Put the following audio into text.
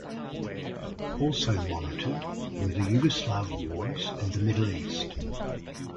Also monitored were the Yugoslav Wars and the Middle East.